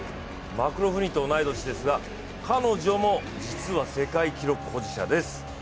マクローフリンと同い年ですが彼女も実は世界記録保持者です。